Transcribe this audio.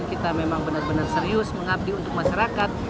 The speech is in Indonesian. kita memang benar benar serius mengabdi untuk masyarakat